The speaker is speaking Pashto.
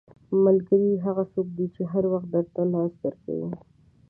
• ملګری هغه څوک دی چې هر وخت درته لاس درکوي.